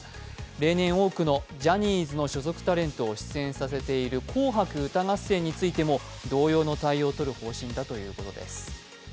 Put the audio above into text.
例年、多くのジャニーズの所属タレントを出演されている「紅白歌合戦」に対しても同様の対応をとる方針だということです。